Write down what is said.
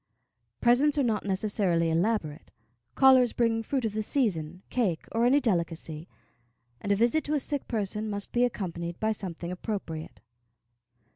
Presents are not necessarily elaborate; callers bring fruit of the season, cake, or any delicacy, and a visit to a sick person must be accompanied by something appropriate.